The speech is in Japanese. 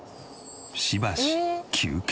しばし休憩。